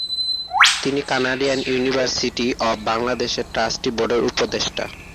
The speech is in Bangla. তিনি কানাডিয়ান ইউনিভার্সিটি অব বাংলাদেশ-এর ট্রাস্টি বোর্ডের উপদেষ্টা।